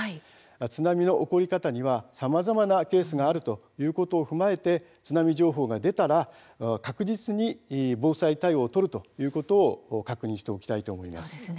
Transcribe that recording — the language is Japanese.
津波の起こり方にもさまざまなケースがあるということを踏まえて津波情報が出たら確実に防災対応を取るということを確認しておきたいと思います。